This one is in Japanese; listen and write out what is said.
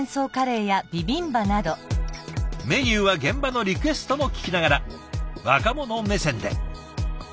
メニューは現場のリクエストも聞きながら若者目線で。